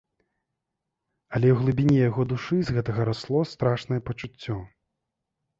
Але ў глыбіні яго душы з гэтага расло страшнае пачуццё.